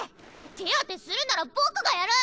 手当てするなら僕がやる！